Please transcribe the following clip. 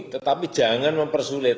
tetapi jangan mempersulit